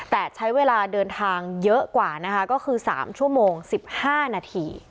แต่ใช้เวลาเดินทางเยอะกว่านะคะก็คือ๓ชั่วโมง๑๕นาที